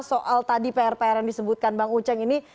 soal tadi pr pr yang disebutkan bang uceng ini